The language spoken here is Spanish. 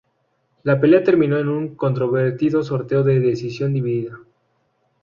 La pelea terminó en un controvertido sorteo de decisión dividida.